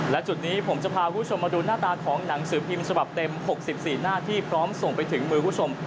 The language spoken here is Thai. และจุดนี้ผมจะพาคุณผู้ชมมาดูหน้าตาของหนังสือพิมพ์ฉบับเต็ม๖๔หน้าที่พร้อมส่งไปถึงมือคุณผู้ชม